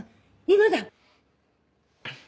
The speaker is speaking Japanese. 今だ！